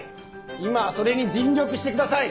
今はそれに尽力してください！